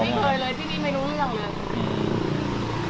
ไม่เคยเลยพี่นี่ไม่รู้เรื่องเลย